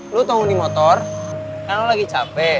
lo tunggu di motor karena lo lagi capek